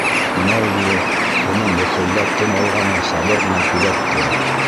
Маугли уның быхылдап тын алғанын сабыр ғына күҙәтте.